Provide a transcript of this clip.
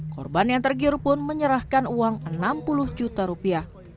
korban yang tergiru pun menyerahkan uang enam puluh juta rupiah